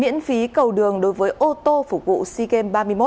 miễn phí cầu đường đối với ô tô phục vụ seagame ba mươi một